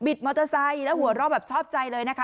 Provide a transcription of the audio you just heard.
บิดมอเตอร์ไซต์และหัวเรามรับแบบชอบใจเลยนะคะ